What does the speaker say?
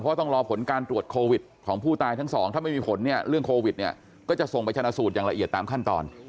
เพราะต้องรอผลการตรวจโควิดของผู้ตายทั้งสองถ้าไม่มีผลเนี่ยเรื่องโควิดเนี่ยก็จะส่งไปชนะสูตรอย่างละเอียดตามขั้นตอน